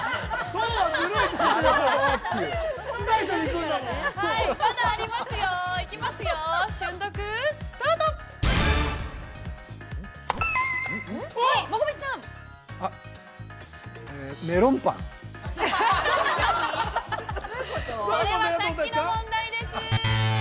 ◆それはさっきの問題です。